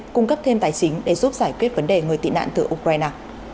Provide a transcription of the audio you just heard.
cung cấp thêm tài chính để giúp giải quyết vấn đề người tị nạn từ ukraine